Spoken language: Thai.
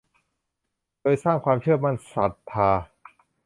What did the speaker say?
โดยสร้างความเชื่อมั่น ศรัทธา